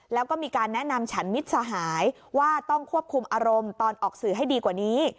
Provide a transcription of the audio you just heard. แล้วก็มีการแนะนำฉันมิตรสหายว่าต้องควบคุมอารมณ์ตอนออกสื่อให้ดีกว่านี้